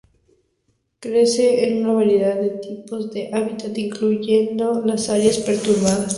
Crece en una variedad de tipos de hábitat, incluyendo las áreas perturbadas.